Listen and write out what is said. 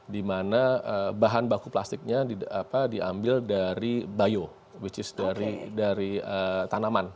di mana bahan baku plastiknya diambil dari bio which is dari tanaman